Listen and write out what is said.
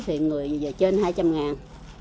thì người giờ trên hai trăm linh ngàn